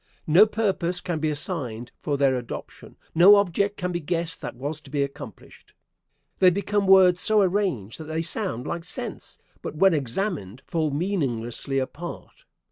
No purpose can be assigned for their adoption. No object can be guessed that was to be accomplished. They become words, so arranged that they sound like sense, but when examined fall meaninglessly apart.